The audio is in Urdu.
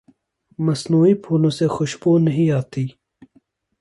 مصنوعی پھولوں سے خوشبو نہیں آتی